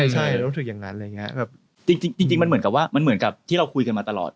จริงมันเหมือนกับที่เราคุยกันมาตลอด